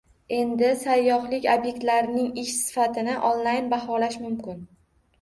Endi sayyohlik ob’ektlarining ish sifatini onlayn baholash mumkin